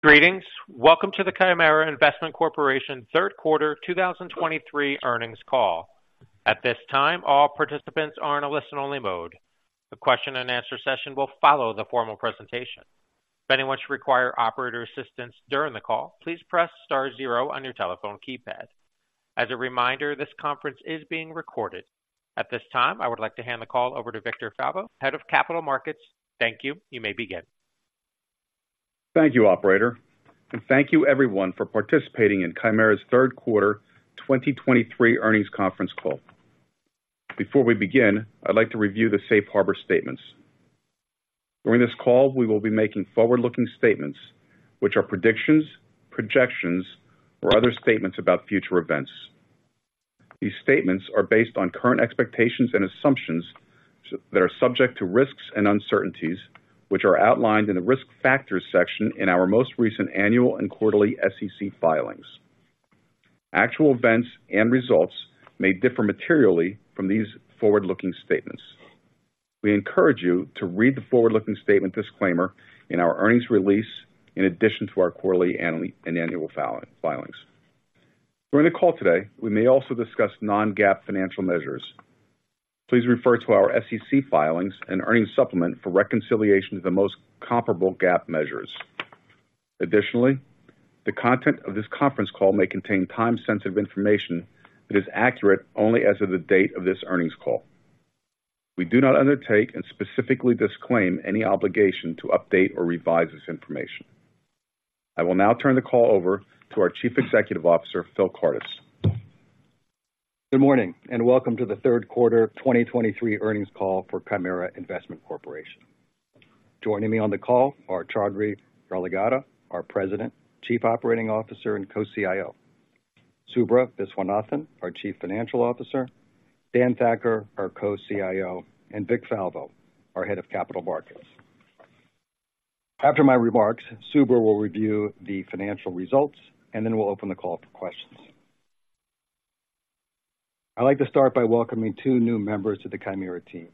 Greetings. Welcome to the Chimera Investment Corporation third quarter 2023 earnings call. At this time, all participants are in a listen-only mode. The question-and-answer session will follow the formal presentation. If anyone should require operator assistance during the call, please press star zero on your telephone keypad. As a reminder, this conference is being recorded. At this time, I would like to hand the call over to Victor Falvo, Head of Capital Markets. Thank you. You may begin. Thank you, operator, and thank you everyone for participating in Chimera's third quarter 2023 earnings conference call. Before we begin, I'd like to review the safe harbor statements. During this call, we will be making forward-looking statements, which are predictions, projections, or other statements about future events. These statements are based on current expectations and assumptions that are subject to risks and uncertainties, which are outlined in the Risk Factors section in our most recent annual and quarterly SEC filings. Actual events and results may differ materially from these forward-looking statements. We encourage you to read the forward-looking statement disclaimer in our earnings release in addition to our quarterly and annual filings. During the call today, we may also discuss non-GAAP financial measures. Please refer to our SEC filings and earnings supplement for reconciliation to the most comparable GAAP measures. Additionally, the content of this conference call may contain time-sensitive information that is accurate only as of the date of this earnings call. We do not undertake and specifically disclaim any obligation to update or revise this information. I will now turn the call over to our Chief Executive Officer, Phil Kardis. Good morning, and welcome to the third quarter 2023 earnings call for Chimera Investment Corporation. Joining me on the call are Choudhary Yarlagadda, our President, Chief Operating Officer and co-CIO, Subra Viswanathan, our Chief Financial Officer, Dan Thakkar, our co-CIO, and Vic Falvo, our Head of Capital Markets. After my remarks, Subra will review the financial results, and then we'll open the call up for questions. I'd like to start by welcoming two new members to the Chimera team.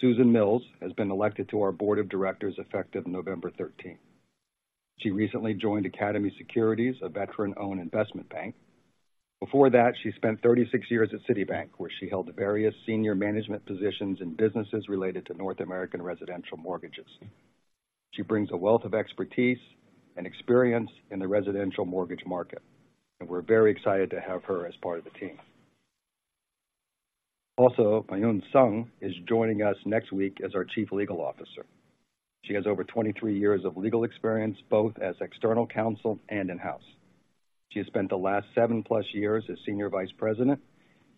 Susan Mills has been elected to our board of directors effective November 13. She recently joined Academy Securities, a veteran-owned investment bank. Before that, she spent 36 years at Citibank, where she held various senior management positions in businesses related to North American residential mortgages. She brings a wealth of expertise and experience in the residential mortgage market, and we're very excited to have her as part of the team. Also, Miyun Sung is joining us next week as our Chief Legal Officer. She has over 23 years of legal experience, both as external counsel and in-house. She has spent the last seven plus years as Senior Vice President,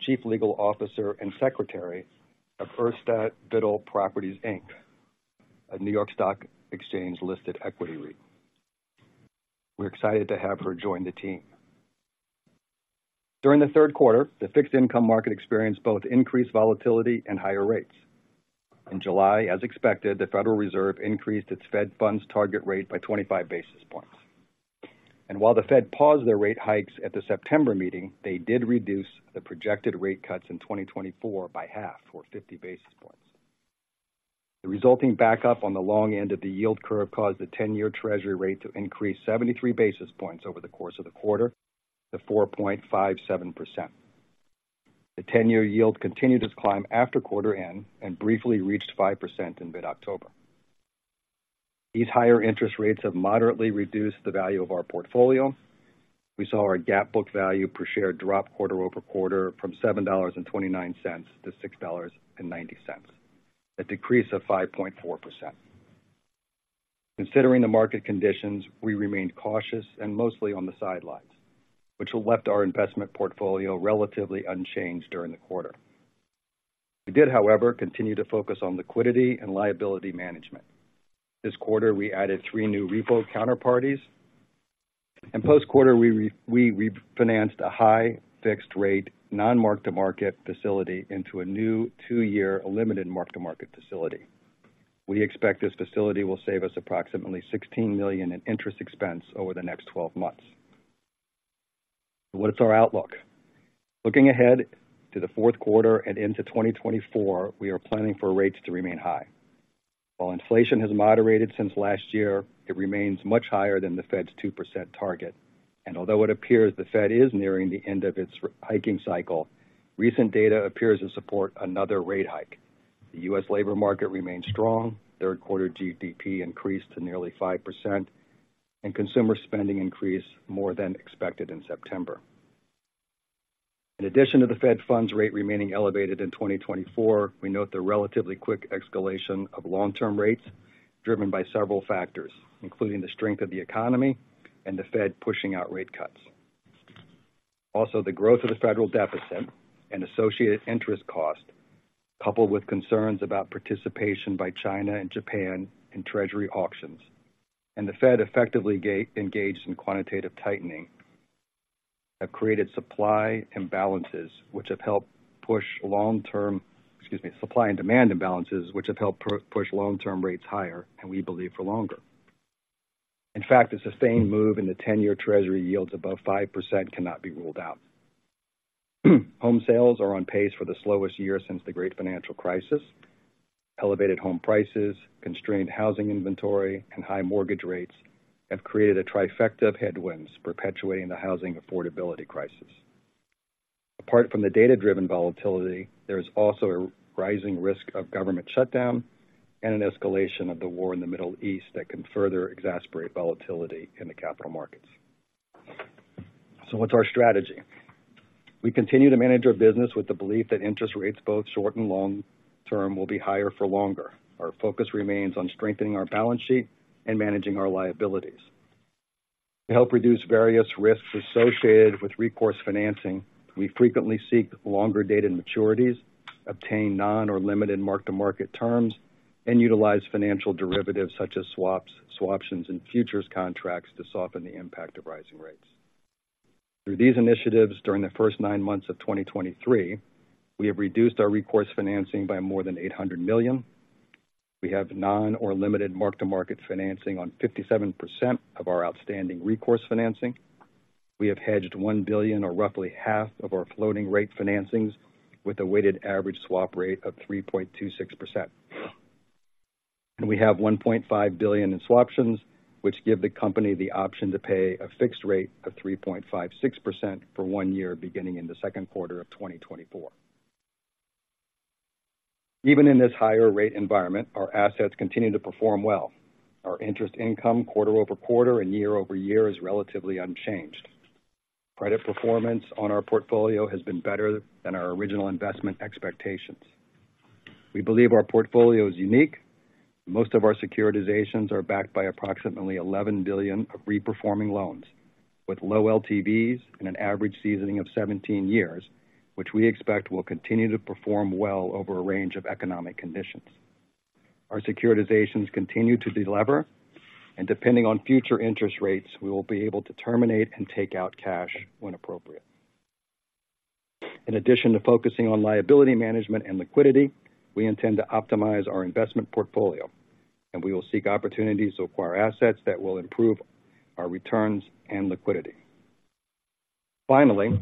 Chief Legal Officer, and Secretary of Urstadt Biddle Properties, Inc., a New York Stock Exchange-listed equity REIT. We're excited to have her join the team. During the third quarter, the fixed income market experienced both increased volatility and higher rates. In July, as expected, the Federal Reserve increased its Fed Funds target rate by 25 basis points. And while the Fed paused their rate hikes at the September meeting, they did reduce the projected rate cuts in 2024 by half, or 50 basis points. The resulting backup on the long end of the yield curve caused the ten-year Treasury rate to increase 73 basis points over the course of the quarter to 4.57%. The ten-year yield continued its climb after quarter end and briefly reached 5% in mid-October. These higher interest rates have moderately reduced the value of our portfolio. We saw our GAAP book value per share drop quarter-over-quarter from $7.29 to $6.90, a decrease of 5.4%. Considering the market conditions, we remained cautious and mostly on the sidelines, which left our investment portfolio relatively unchanged during the quarter. We did, however, continue to focus on liquidity and liability management. This quarter, we added three new repo counterparties, and post-quarter, we refinanced a high fixed rate, non-mark-to-market facility into a new two-year limited mark-to-market facility. We expect this facility will save us approximately $16 million in interest expense over the next 12 months. What's our outlook? Looking ahead to the fourth quarter and into 2024, we are planning for rates to remain high. While inflation has moderated since last year, it remains much higher than the Fed's 2% target, and although it appears the Fed is nearing the end of its hiking cycle, recent data appears to support another rate hike. The U.S. labor market remains strong, third quarter GDP increased to nearly 5%, and consumer spending increased more than expected in September. In addition to the Fed Funds Rate remaining elevated in 2024, we note the relatively quick escalation of long-term rates, driven by several factors, including the strength of the economy and the Fed pushing out rate cuts. Also, the growth of the federal deficit and associated interest cost, coupled with concerns about participation by China and Japan in Treasury auctions, and the Fed effectively engaged in quantitative tightening, have created supply and demand imbalances, which have helped push long-term rates higher and we believe for longer. In fact, a sustained move in the 10-year Treasury yields above 5% cannot be ruled out. Home sales are on pace for the slowest year since the Great Financial Crisis. Elevated home prices, constrained housing inventory, and high mortgage rates have created a trifecta of headwinds, perpetuating the housing affordability crisis. Apart from the data-driven volatility, there is also a rising risk of government shutdown and an escalation of the war in the Middle East that can further exacerbate volatility in the capital markets. So what's our strategy? We continue to manage our business with the belief that interest rates, both short and long term, will be higher for longer. Our focus remains on strengthening our balance sheet and managing our liabilities. To help reduce various risks associated with recourse financing, we frequently seek longer dated maturities, obtain non- or limited mark-to-market terms, and utilize financial derivatives such as swaps, swaptions, and futures contracts to soften the impact of rising rates. Through these initiatives, during the first nine months of 2023, we have reduced our recourse financing by more than $800 million. We have non- or limited mark-to-market financing on 57% of our outstanding recourse financing. We have hedged $1 billion, or roughly half of our floating rate financings, with a weighted average swap rate of 3.26%. We have $1.5 billion in swaptions, which give the company the option to pay a fixed rate of 3.56% for one year, beginning in the second quarter of 2024. Even in this higher rate environment, our assets continue to perform well. Our interest income quarter-over-quarter and year-over-year is relatively unchanged. Credit performance on our portfolio has been better than our original investment expectations. We believe our portfolio is unique. Most of our securitizations are backed by approximately $11 billion of reperforming loans, with low LTVs and an average seasoning of 17 years, which we expect will continue to perform well over a range of economic conditions. Our securitizations continue to delever, and depending on future interest rates, we will be able to terminate and take out cash when appropriate. In addition to focusing on liability management and liquidity, we intend to optimize our investment portfolio, and we will seek opportunities to acquire assets that will improve our returns and liquidity. Finally,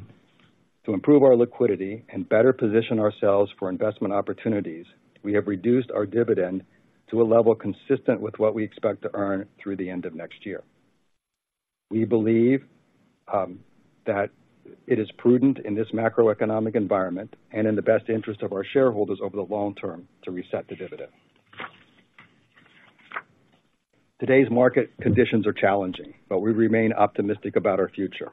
to improve our liquidity and better position ourselves for investment opportunities, we have reduced our dividend to a level consistent with what we expect to earn through the end of next year. We believe that it is prudent in this macroeconomic environment and in the best interest of our shareholders over the long term to reset the dividend. Today's market conditions are challenging, but we remain optimistic about our future.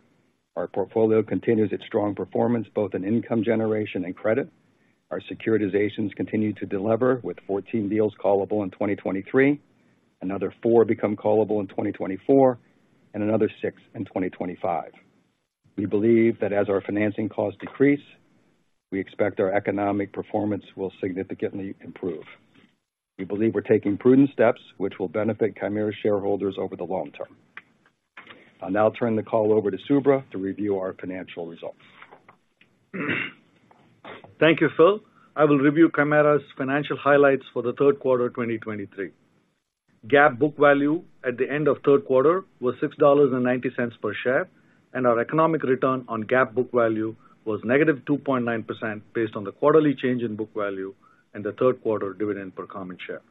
Our portfolio continues its strong performance, both in income generation and credit. Our securitizations continue to delever, with 14 deals callable in 2023, another four become callable in 2024, and another six in 2025. We believe that as our financing costs decrease, we expect our economic performance will significantly improve. We believe we're taking prudent steps which will benefit Chimera shareholders over the long term. I'll now turn the call over to Subra to review our financial results. Thank you, Phil. I will review Chimera's financial highlights for the third quarter of 2023. GAAP book value at the end of third quarter was $6.90 per share, and our economic return on GAAP book value was -2.9% based on the quarterly change in book value and the third quarter dividend per common share.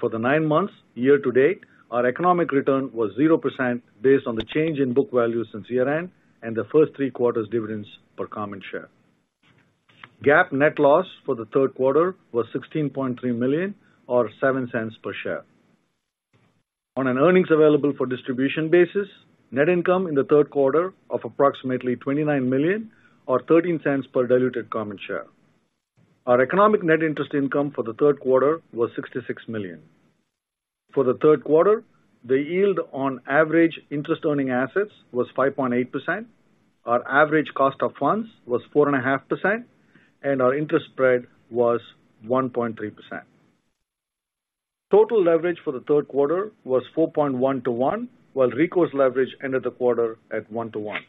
For the nine months year-to-date, our economic return was 0% based on the change in book value since year-end and the first three quarters' dividends per common share. GAAP net loss for the third quarter was $16.3 million, or $0.07 per share. On an earnings available for distribution basis, net income in the third quarter of approximately $29 million, or $0.13 per diluted common share. Our economic net interest income for the third quarter was $66 million. For the third quarter, the yield on average interest-earning assets was 5.8%. Our average cost of funds was 4.5%, and our interest spread was 1.3%. Total leverage for the third quarter was 4.1 to one, while recourse leverage ended the quarter at one to one.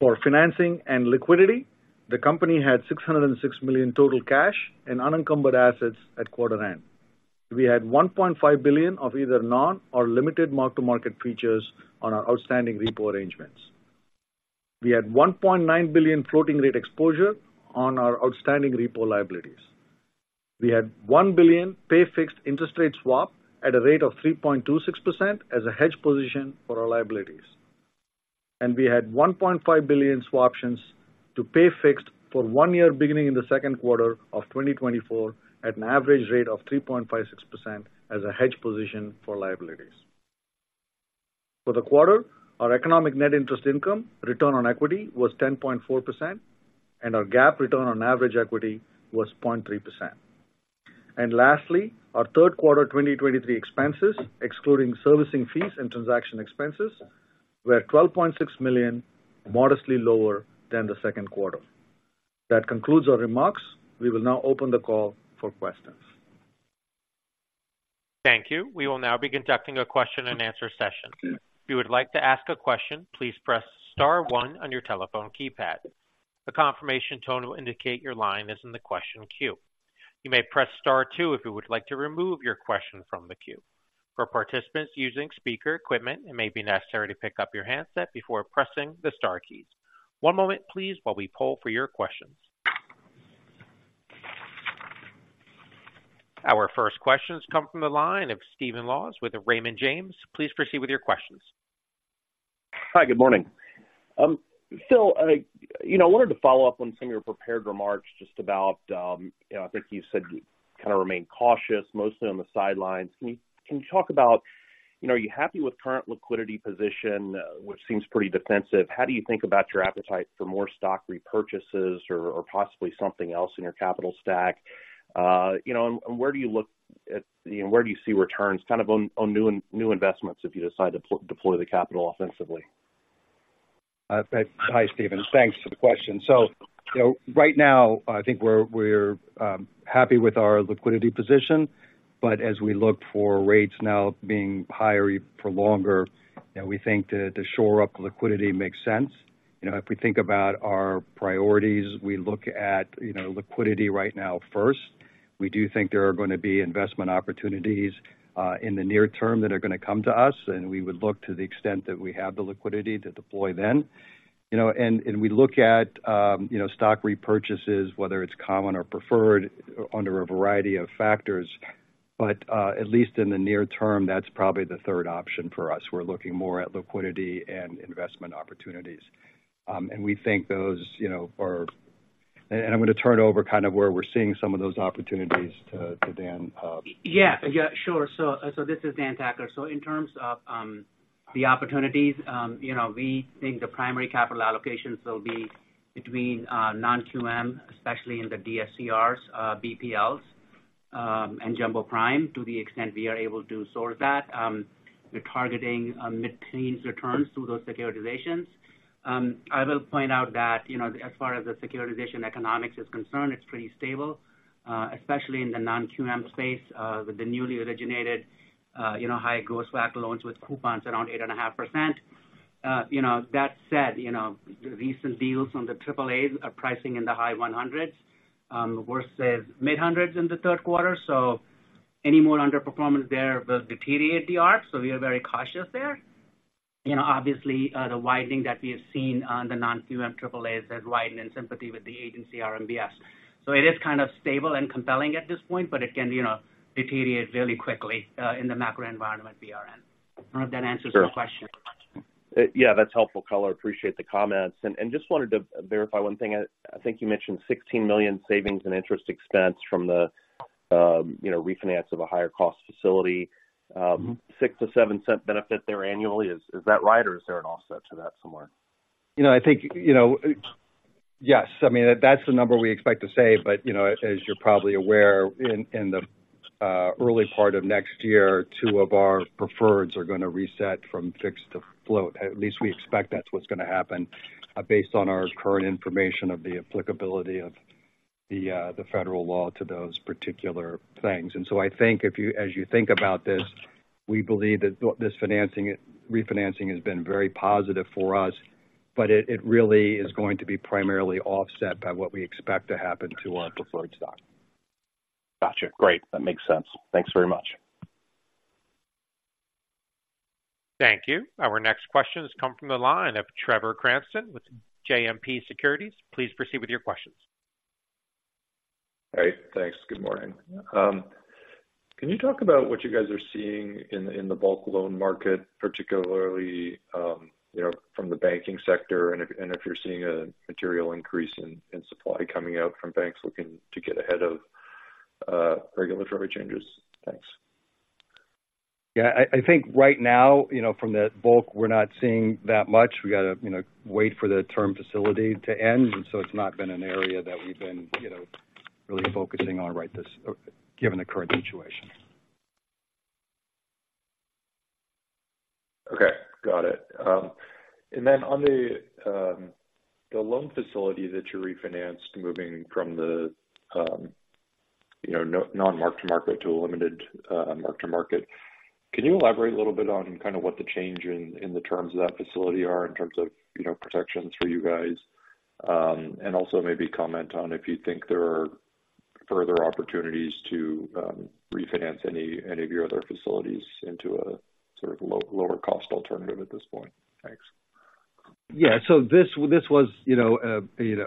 For financing and liquidity, the company had $606 million total cash and unencumbered assets at quarter end. We had $1.5 billion of either non- or limited mark-to-market features on our outstanding repo arrangements. We had $1.9 billion floating rate exposure on our outstanding repo liabilities. We had $1 billion pay fixed interest rate swap at a rate of 3.26% as a hedge position for our liabilities. We had $1.5 billion swaptions to pay fixed for one year, beginning in the second quarter of 2024, at an average rate of 3.56% as a hedge position for liabilities. For the quarter, our economic net interest income return on equity was 10.4%, and our GAAP return on average equity was 0.3%. And lastly, our third quarter 2023 expenses, excluding servicing fees and transaction expenses, were $12.6 million, modestly lower than the second quarter. That concludes our remarks. We will now open the call for questions. Thank you. We will now be conducting a question-and-answer session. If you would like to ask a question, please press star one on your telephone keypad. The confirmation tone will indicate your line is in the question queue.... You may press star two if you would like to remove your question from the queue. For participants using speaker equipment, it may be necessary to pick up your handset before pressing the star keys. One moment please, while we poll for your questions. Our first questions come from the line of Stephen Laws with Raymond James. Please proceed with your questions. Hi, good morning. Phil, I, you know, wanted to follow up on some of your prepared remarks just about, you know, I think you said you kind of remain cautious, mostly on the sidelines. Can you talk about, you know, are you happy with current liquidity position, which seems pretty defensive? How do you think about your appetite for more stock repurchases or possibly something else in your capital stack? You know, and where do you see returns kind of on new investments if you decide to deploy the capital offensively? Hi, Stephen. Thanks for the question. So, you know, right now I think we're happy with our liquidity position, but as we look for rates now being higher for longer, you know, we think to shore up liquidity makes sense. You know, if we think about our priorities, we look at, you know, liquidity right now first. We do think there are going to be investment opportunities in the near term that are going to come to us, and we would look to the extent that we have the liquidity to deploy then. You know, and we look at, you know, stock repurchases, whether it's common or preferred, under a variety of factors. But at least in the near term, that's probably the third option for us. We're looking more at liquidity and investment opportunities. And we think those, you know, are... And I'm going to turn it over kind of where we're seeing some of those opportunities to Dan. Yeah. Yeah, sure. So this is Dan Thakkar. So in terms of the opportunities, you know, we think the primary capital allocations will be between non-QM, especially in the DSCRs, BPLs, and Jumbo Prime to the extent we are able to source that. We're targeting mid-teens returns through those securitizations. I will point out that, you know, as far as the securitization economics is concerned, it's pretty stable, especially in the non-QM space, with the newly originated, you know, high gross WAC loans with coupons around 8.5%. You know, that said, you know, recent deals on the AAAs are pricing in the high 100s. We saw mid 100s in the third quarter, so any more underperformance there will deteriorate the spreads. So we are very cautious there. You know, obviously, the widening that we have seen on the non-QM AAAs has widened in sympathy with the Agency RMBS. So it is kind of stable and compelling at this point, but it can, you know, deteriorate really quickly in the macro environment we are in. I don't know if that answers the question. Yeah, that's helpful color. Appreciate the comments. And just wanted to verify one thing. I think you mentioned $16 million savings in interest expense from the, you know, refinance of a higher cost facility. $0.06-$0.07 benefit there annually. Is that right, or is there an offset to that somewhere? You know, I think, you know, yes. I mean, that's the number we expect to save. But, you know, as you're probably aware, in the early part of next year, two of our preferreds are going to reset from fixed to float. At least we expect that's what's going to happen, based on our current information of the applicability of the federal law to those particular things. And so I think if you as you think about this, we believe that this financing, refinancing has been very positive for us, but it really is going to be primarily offset by what we expect to happen to our preferred stock. Gotcha. Great. That makes sense. Thanks very much. Thank you. Our next question has come from the line of Trevor Cranston with JMP Securities. Please proceed with your questions. Hey, thanks. Good morning. Can you talk about what you guys are seeing in, in the bulk loan market, particularly, you know, from the banking sector, and if, and if you're seeing a material increase in, in supply coming out from banks looking to get ahead of regulatory changes? Thanks. Yeah, I think right now, you know, from the bulk, we're not seeing that much. We got to, you know, wait for the term facility to end, and so it's not been an area that we've been, you know, really focusing on right this given the current situation. Okay, got it. And then on the, the loan facility that you refinanced, moving from the, you know, non-Mark-to-Market to a limited, Mark-to-Market, can you elaborate a little bit on kind of what the change in, in the terms of that facility are in terms of, you know, protections for you guys? And also maybe comment on if you think there are further opportunities to, refinance any, any of your other facilities into a sort of lower cost alternative at this point. Thanks. Yeah. So this was, you know,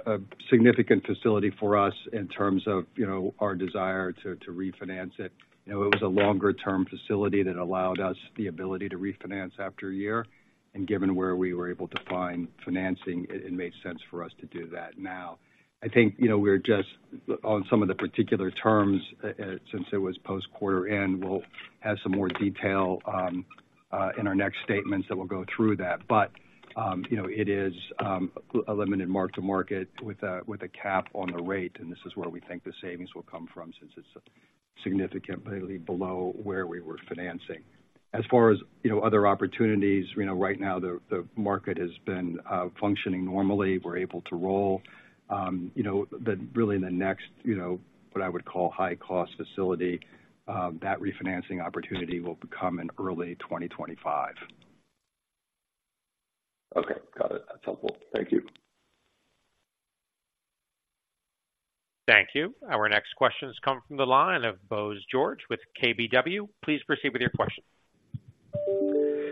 a significant facility for us in terms of, you know, our desire to refinance it. You know, it was a longer-term facility that allowed us the ability to refinance after a year. And given where we were able to find financing, it made sense for us to do that now. I think, you know, we're just on some of the particular terms, since it was post quarter end, we'll have some more detail in our next statements that will go through that. But, you know, it is a limited Mark-to-Market with a cap on the rate, and this is where we think the savings will come from, since it's significantly below where we were financing. As far as, you know, other opportunities, you know, right now the market has been functioning normally. We're able to roll. You know, really the next, you know, what I would call high-cost facility that refinancing opportunity will come in early 2025.... helpful. Thank you. Thank you. Our next questions come from the line of Bose George with KBW. Please proceed with your question.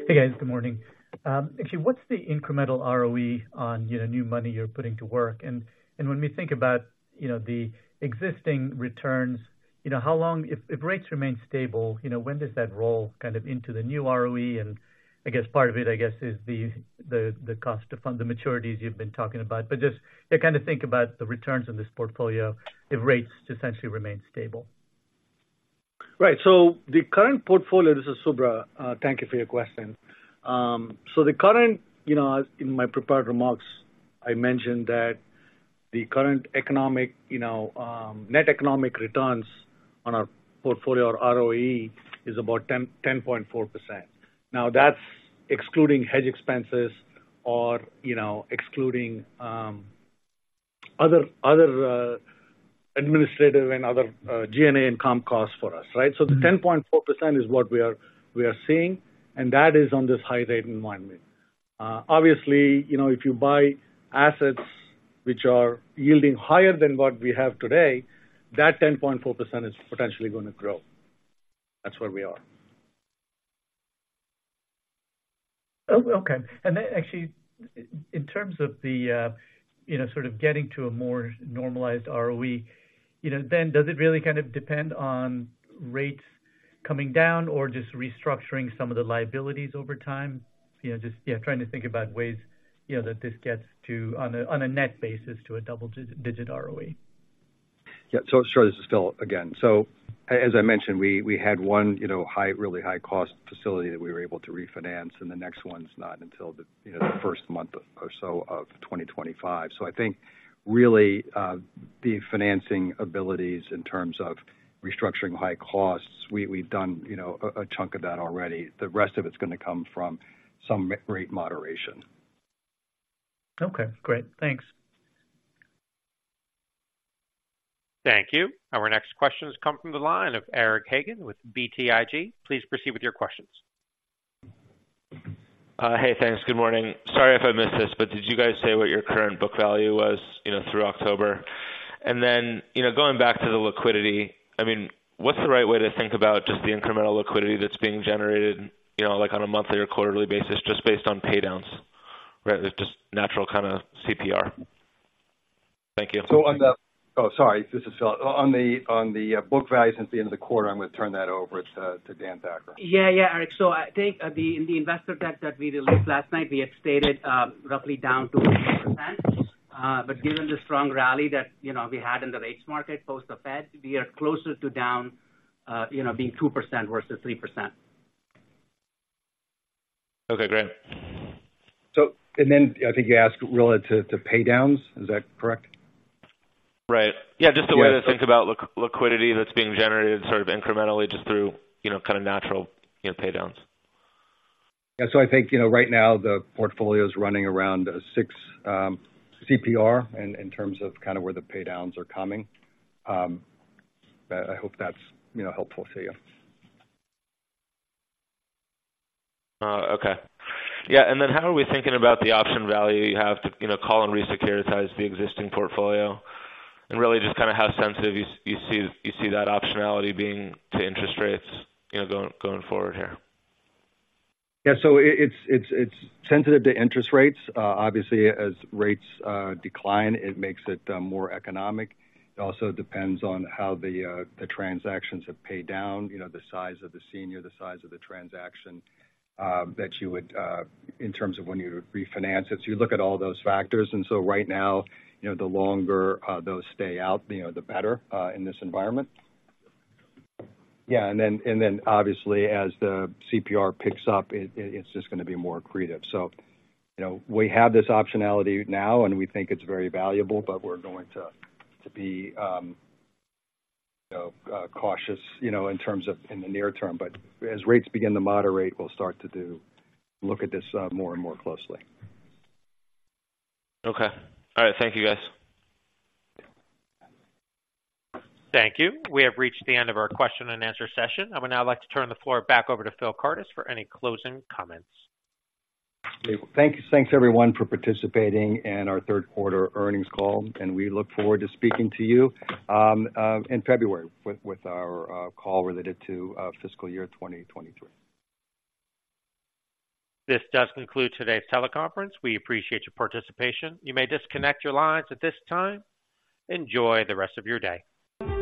Hey, guys. Good morning. Actually, what's the incremental ROE on, you know, new money you're putting to work? And, and when we think about, you know, the existing returns, you know, if rates remain stable, you know, when does that roll kind of into the new ROE? And I guess part of it, I guess, is the cost to fund the maturities you've been talking about. But just, yeah, kind of think about the returns on this portfolio if rates essentially remain stable. Right. So the current portfolio. This is Subra. Thank you for your question. So the current, you know, as in my prepared remarks, I mentioned that the current economic, you know, net economic returns on our portfolio, or ROE, is about 10.4%. Now, that's excluding hedge expenses or, you know, excluding, other, administrative and other, G&A and comp costs for us, right? So the 10.4% is what we are seeing, and that is on this high rate environment. Obviously, you know, if you buy assets which are yielding higher than what we have today, that 10.4% is potentially gonna grow. That's where we are. Oh, okay. And then, actually, in terms of the, you know, sort of getting to a more normalized ROE, you know, then does it really kind of depend on rates coming down or just restructuring some of the liabilities over time? You know, just, yeah, trying to think about ways, you know, that this gets to, on a, on a net basis, to a double-digit ROE. Yeah. So sure, this is Phil again. So as I mentioned, we had one, you know, really high-cost facility that we were able to refinance, and the next one's not until the, you know, the first month or so of 2025. So I think really, the financing abilities in terms of restructuring high costs, we've done, you know, a chunk of that already. The rest of it's gonna come from some rate moderation. Okay, great. Thanks. Thank you. Our next questions come from the line of Eric Hagen with BTIG. Please proceed with your questions. Hey, thanks. Good morning. Sorry if I missed this, but did you guys say what your current book value was, you know, through October? And then, you know, going back to the liquidity, I mean, what's the right way to think about just the incremental liquidity that's being generated, you know, like, on a monthly or quarterly basis, just based on pay downs, right? Just natural kind of CPR. Thank you. Oh, sorry. This is Phil. On the book value since the end of the quarter, I'm going to turn that over to Dan Thakkar. Yeah, yeah, Eric. So I think, in the investor deck that we released last night, we had stated, roughly down to 10%. But given the strong rally that, you know, we had in the rates market post the Fed, we are closer to down, you know, being 2% versus 3%. Okay, great. I think you asked relative to pay downs. Is that correct? Right. Yeah, just the way to think about liquidity that's being generated sort of incrementally just through, you know, kind of natural, you know, pay downs. Yeah, so I think, you know, right now the portfolio is running around six CPR in terms of kind of where the pay downs are coming. I hope that's, you know, helpful to you. Okay. Yeah, and then how are we thinking about the option value you have to, you know, call and resecuritize the existing portfolio? And really just kind of how sensitive you see that optionality being to interest rates, you know, going forward here? Yeah, so it is sensitive to interest rates. Obviously, as rates decline, it makes it more economic. It also depends on how the transactions have paid down, you know, the size of the senior, the size of the transaction, that you would in terms of when you would refinance it. So you look at all those factors, and so right now, you know, the longer those stay out, you know, the better in this environment. Yeah, and then obviously, as the CPR picks up, it is just gonna be more accretive. So, you know, we have this optionality now, and we think it's very valuable, but we're going to be, you know, cautious, you know, in terms of in the near term. But as rates begin to moderate, we'll start to look at this more and more closely. Okay. All right. Thank you, guys. Thank you. We have reached the end of our question-and-answer session. I would now like to turn the floor back over to Phil Kardis for any closing comments. Thank you. Thanks, everyone, for participating in our third quarter earnings call, and we look forward to speaking to you in February with our call related to fiscal year 2023. This does conclude today's teleconference. We appreciate your participation. You may disconnect your lines at this time. Enjoy the rest of your day.